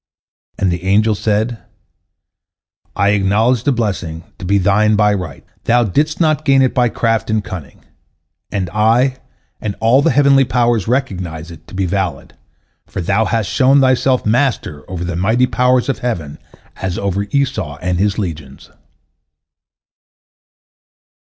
And the angel said: "I acknowledge the blessing to be thine by right. Thou didst not gain it by craft and cunning, and I and all the heavenly powers recognize it to be valid, for thou hast shown thyself master over the mighty powers of the heavens as over Esau and his legions."